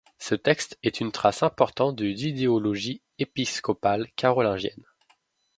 Ce texte est une trace importante de l'idéologie épiscopale carolingienne.